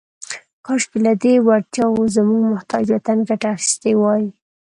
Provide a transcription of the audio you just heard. « کاشکې، لهٔ دې وړتیاوو زموږ محتاج وطن ګټه اخیستې وای. »